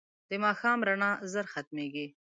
د ماښام رڼا ژر ختمېږي